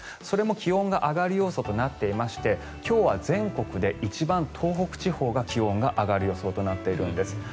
それも気温が上がる予想となっていまして今日は全国で一番、東北地方が気温が上がる予想となっているんです。